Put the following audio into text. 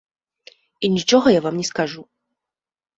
І нічога я вам не скажу.